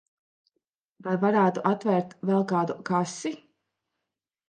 Vai varētu atvērt vēl kādu kasi?